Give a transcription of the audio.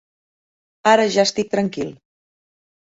Ara ja estic tranquil.